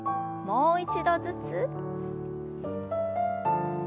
もう一度ずつ。